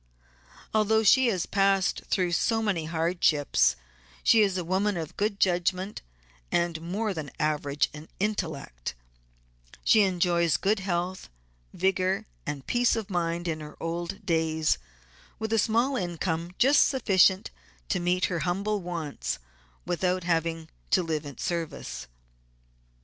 Although she has passed through so many hardships she is a woman of good judgment and more than average intellect; enjoys good health, vigor, and peace of mind in her old days, with a small income just sufficient to meet her humble wants without having to live at service.